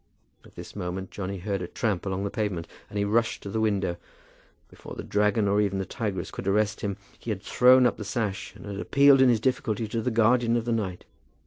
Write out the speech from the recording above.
At this moment Johnny heard a tramp along the pavement, and he rushed to the window. Before the dragon or even the tigress could arrest him, he had thrown up the sash, and had appealed in his difficulty to the guardian of the night.